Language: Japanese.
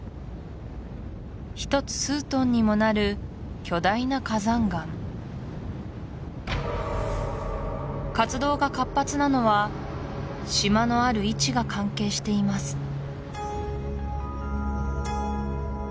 １つ数トンにもなる巨大な火山岩活動が活発なのは島のある位置が関係しています